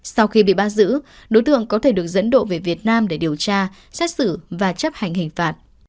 sau khi bị bắt giữ đối tượng có thể được dẫn độ về việt nam để điều tra xét xử và chấp hành hình phạt